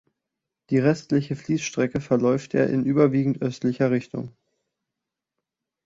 Die restliche Fließstrecke verläuft er in überwiegend östlicher Richtung.